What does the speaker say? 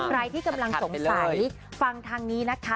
ใครที่กำลังสงสัยฟังทางนี้นะคะ